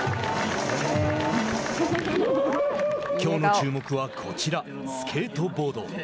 きょうの注目は、こちらスケートボード。